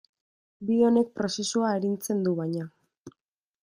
Bide honek prozesua arintzen du, baina.